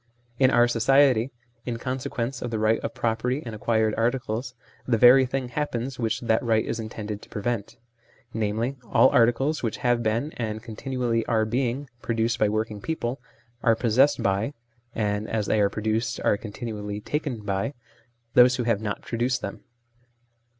In our society, in consequence of the right of property in acquired articles, the very thing happens which that right is intended to pre vent : namely, all articles which have been, and continually are being, produced by working people, are possessed by (and as they are pro duced are continually taken by) those who have not produced them.